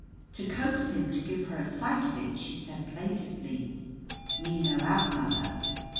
To coax him to give her a sight of it she said, plaintively, "Me no have mother."